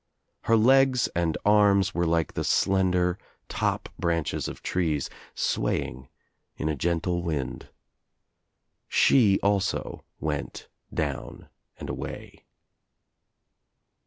Her 1^8 and arms were like the slender top branches of trees swaying in a gentle wind. She also went down and away.